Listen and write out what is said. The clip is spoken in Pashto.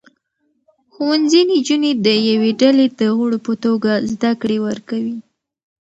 ښوونځي نجونې د یوې ډلې د غړو په توګه زده کړې ورکوي.